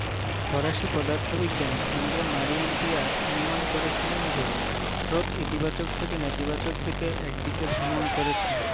ফরাসি পদার্থবিজ্ঞানী André-Marie ampere অনুমান করেছিলেন যে স্রোত ইতিবাচক থেকে নেতিবাচক দিকে এক দিকে ভ্রমণ করেছে।